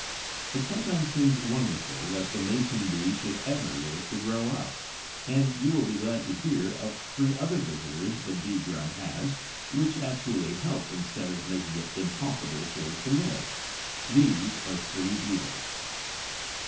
It sometimes seems wonderful that the Mason bee should ever live to grow up; and you will be glad to hear of three other visitors the Bee grub has, which actually help instead of making it impossible for it to live. These are three Beetles.